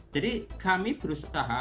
jadi kami berusaha